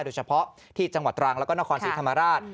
โดยเฉพาะที่จังหวัดตรังแล้วก็นครศรีธรรมราช